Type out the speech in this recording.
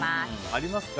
ありますか？